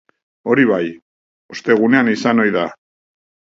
Hori bai, ostegunean izan ohi da.